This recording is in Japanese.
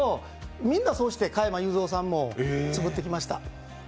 みんなそうして加山雄三さんも作ってきました。